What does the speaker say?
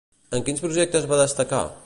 En quins projectes va destacar?